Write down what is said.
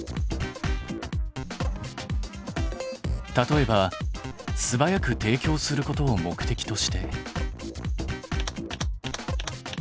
例えばすばやく提供することを目的として。